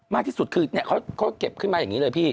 มากที่สุดคือเขาเก็บขึ้นมาอย่างนี้เลยพี่